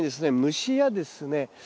虫やですね